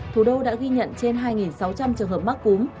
thủ đô đã ghi nhận trên hai sáu trăm linh trường hợp mắc cúm